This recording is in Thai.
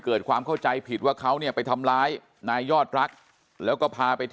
เกิดความเข้าใจผิดว่าเขาเนี่ยไปทำร้ายนายยอดรักแล้วก็พาไปที่